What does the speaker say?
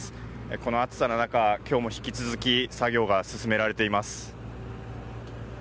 この暑さの中、今日も引き続き作業が進められています。